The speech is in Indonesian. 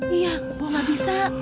iya bu gak bisa